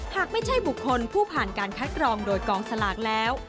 หากไม่ใช่บุคคลผู้ผ่านการคัดกรองโดยกองสลากแล้ว